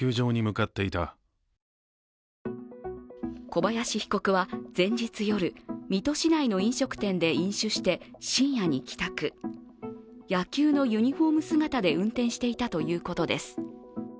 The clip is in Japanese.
小林被告は前日夜、水戸市内の飲食店で飲酒して深夜に帰宅、野球のユニフォーム姿で運転していたということです。